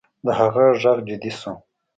د هغه غږ جدي شو